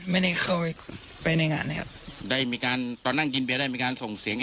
ไม่เคยไปในงานเลยครับได้มีการตอนนั่งกินเบียร์ได้มีการส่งเสียง